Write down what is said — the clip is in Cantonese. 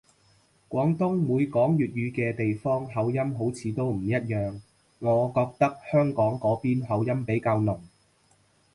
廣東每講粵語嘅地方口音好似都唔一樣，我覺得香港嗰邊口音比較濃